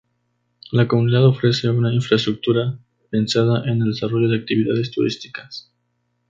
La comunidad ofrece una infraestructura pensada en el desarrollo de actividades turísticas.